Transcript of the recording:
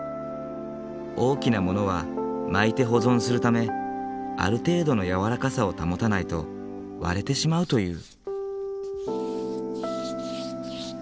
大きなものは巻いて保存するためある程度の軟らかさを保たないと割れてしまうという。